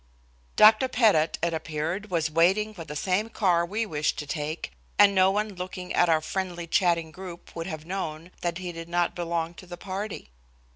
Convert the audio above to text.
Dr. Pettit, it appeared, was waiting for the same car we wished to take, and no one looking at our friendly chatting group would have known that he did not belong to the party.